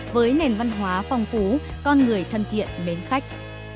với nền văn hóa phong phú con người thân thiện mến khách